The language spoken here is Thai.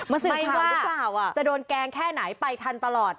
ไม่ว่ารถจะโดนแกนแค่ไหนไปทันตลอด